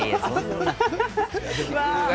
うわ！